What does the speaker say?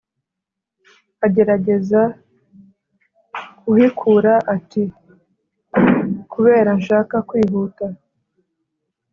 agerageza kuhikura ati "kubera nshaka kwihuta